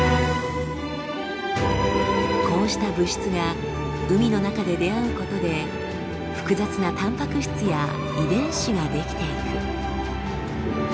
こうした物質が海の中で出会うことで複雑なたんぱく質や遺伝子が出来ていく。